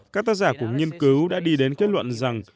các tác giả của nghiên cứu đã đi đến kết luận rằng